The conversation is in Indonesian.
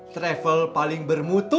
travel paling bermutu